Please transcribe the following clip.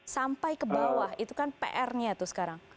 sampai ke bawah itu kan pr nya tuh sekarang